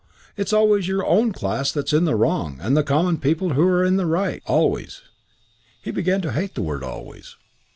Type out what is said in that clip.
It's always your own class that's in the wrong and the common people who are in the right." "Always." He began to hate the word "always."